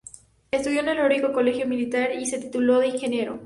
Estudió en el Heroico Colegio Militar y se tituló de Ingeniero.